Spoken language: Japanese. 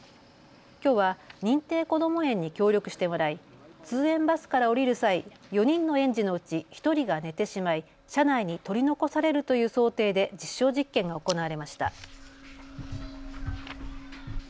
きょうは認定こども園に協力してもらい、通園バスから降りる際、４人の園児のうち１人が寝てしまい車内に取り残されるという想定で実証実験が行われました。